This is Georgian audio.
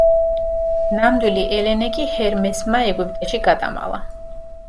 ნამდვილი ელენე კი ჰერმესმა ეგვიპტეში გადამალა.